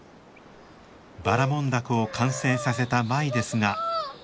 ばらもん凧を完成させた舞ですが。